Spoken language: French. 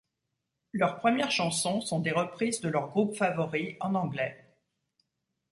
Leurs premières chansons sont des reprises de leurs groupes favoris, en anglais.